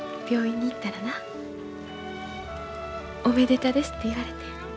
病院に行ったらなおめでたですて言われてん。